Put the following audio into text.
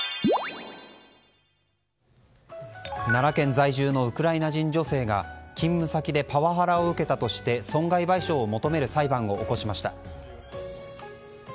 奈良県在住のウクライナ人女性が勤務先でパワハラを受けたとして損害賠償を求める裁判を起こしました。